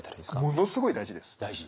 ものすごい大事です。